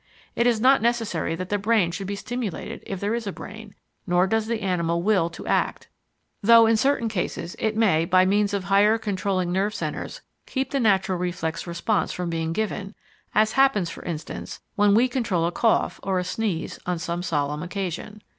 It is not necessary that the brain should be stimulated if there is a brain; nor does the animal will to act, though in certain cases it may by means of higher controlling nerve centres keep the natural reflex response from being given, as happens, for instance, when we control a cough or a sneeze on some solemn occasion.